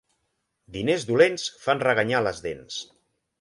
Diners dolents fan reganyar a les dents.